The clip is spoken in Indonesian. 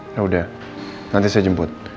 yaudah nanti saya jemput